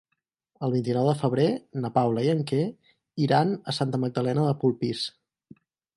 El vint-i-nou de febrer na Paula i en Quer iran a Santa Magdalena de Polpís.